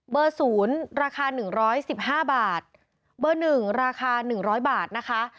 เบอร์ศูนย์ราคาหนึ่งร้อยสิบห้าบาทเบอร์หนึ่งราคาหนึ่งร้อยบาทนะคะ